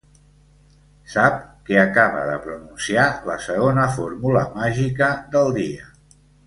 Sap que acaba de pronunciar la segona fórmula màgica del dia.